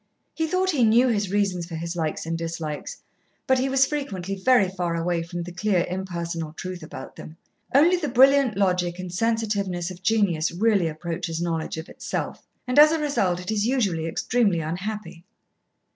He thought he knew his reasons for his likes and dislikes, but he was frequently very far away from the clear, impersonal truth about them. Only the brilliant logic and sensitiveness of genius really approaches knowledge of itself, and as a result it is usually extremely unhappy.